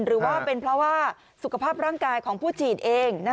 หรือว่าเป็นเพราะว่าสุขภาพร่างกายของผู้ฉีดเอง